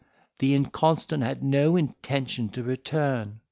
the inconstant had no intention to return.